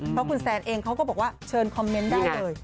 เพราะคุณแซนเองเขาก็บอกว่าเชิญคอมเมนต์ได้เลย